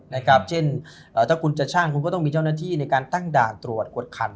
ถ้าคุณจะชั่งต้องมีเจ้าหน้าที่กันตั้งด่างตรวจกฎขัน